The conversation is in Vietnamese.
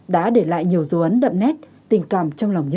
đã để lại nhiều dấu ấn đậm nét tình cảm trong lòng người